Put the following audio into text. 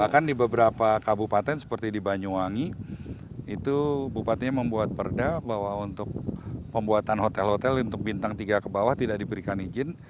bahkan di beberapa kabupaten seperti di banyuwangi itu bupatinya membuat perda bahwa untuk pembuatan hotel hotel untuk bintang tiga ke bawah tidak diberikan izin